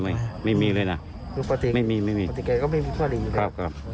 ไม่ไม่มีเลยนะ